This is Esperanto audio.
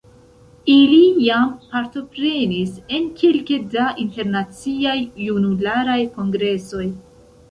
Ili jam partoprenis en kelke da Internaciaj Junularaj Kongresoj.